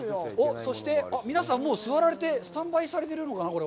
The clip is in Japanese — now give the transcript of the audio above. そして、皆さん、もう座られてスタンバイされてるのかな？